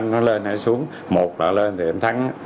nó lên hay xuống một nó lên thì em thắng